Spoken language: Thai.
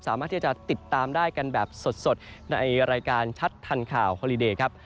สามารถที่จะติดตามได้กันแบบสดในรายการชัดทันข่าวฮอลิเดย์ครับ